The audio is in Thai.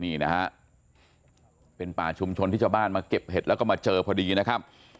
นี่นะฮะเป็นป่าชุมชนที่ชาวบ้านมาเก็บเห็ดแล้วก็มาเจอพอดีนะครับ